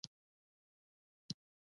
پاچا څخه خلک تر پوزې راغلي.